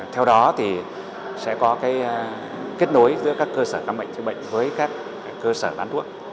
theo đó thì sẽ có kết nối giữa các cơ sở khám bệnh chữa bệnh với các cơ sở bán thuốc